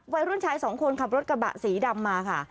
วัยรุ่นชายสองคนขับรถกระบะสีดำมาค่ะ